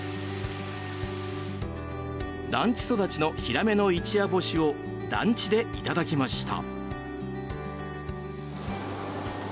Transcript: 団地育ちのヒラメの一夜干しを団地でいただきました。